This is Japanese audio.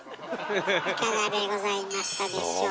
いかがでございましたでしょうか。